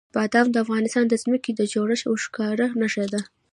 بادام د افغانستان د ځمکې د جوړښت یوه ښکاره نښه ده.